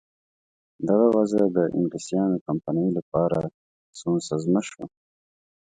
دغه وضع د انګلیسیانو کمپنۍ لپاره سونسزمه شوه.